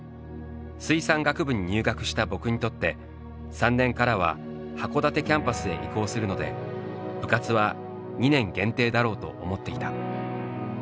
水産学部に入学した僕にとって３年からは函館キャンパスへ移行するので部活は２年限定だろうと思っていた。